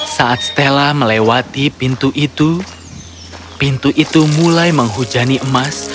saat stella melewati pintu itu pintu itu mulai menghujani emas